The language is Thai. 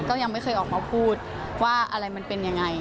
ก็ยังไม่เคยออกมาพูดว่าอะไรมันเป็นยังไง